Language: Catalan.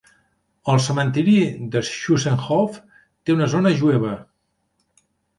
El cementiri d'Schoonselhof té una zona jueva.